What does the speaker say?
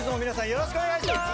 よろしくお願いします